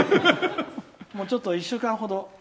ちょっと１週間ほど。